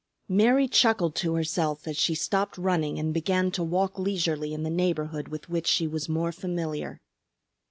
Mary chuckled to herself as she stopped running and began to walk leisurely in the neighborhood with which she was more familiar.